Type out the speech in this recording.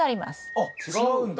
あっ違うんだ。